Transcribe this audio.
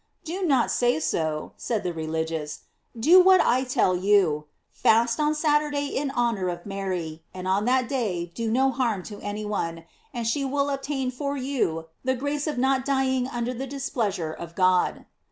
"Do not say so," said the religious ; "do what I tell you ; fast on Saturday in honor of Mary, and on that day do no harm to any one, and she wilt obtain for you the grace of not dying under the displeasure of God."